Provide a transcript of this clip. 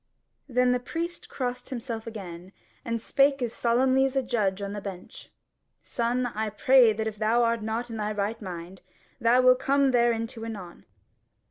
Then the priest crossed himself again, and spake as solemnly as a judge on the bench: "Son, I pray that if thou art not in thy right mind, thou will come thereinto anon.